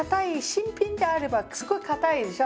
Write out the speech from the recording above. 新品であればすごいかたいでしょう？